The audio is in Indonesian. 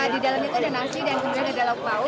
di dalam itu ada nasi dan kemudian ada lauk pauk